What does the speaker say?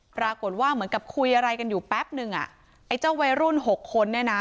ปรากฏว่าเหมือนกับคุยอะไรกันอยู่แป๊บนึงอ่ะไอ้เจ้าวัยรุ่นหกคนเนี่ยนะ